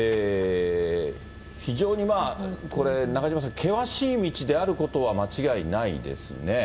非常にこれ、中島さん、険しい道であることは間違いないですね。